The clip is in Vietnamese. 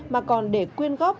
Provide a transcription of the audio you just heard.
mà còn để quyên góp